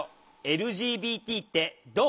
「ＬＧＢＴってどう？」。